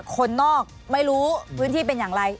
คนนอกไม่รู้พื้นที่เป็นอย่างไร